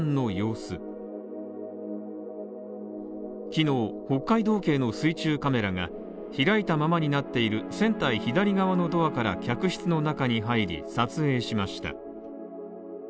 昨日、北海道警の水中カメラが開いたままになっている船体左側のドアから客室の中に入り、撮影しました。